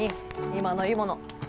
今のいいもの。